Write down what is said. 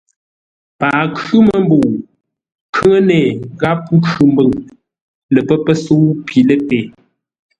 Paghʼə khʉ́ məmbəu. Nkhʉŋəne gháp Nkhʉmbʉŋ lə pə́ pəsə̌u pi ləpe.